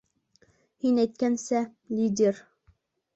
Һин әйткәнсә, лидер.